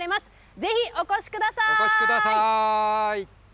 ぜひお越しくお越しください。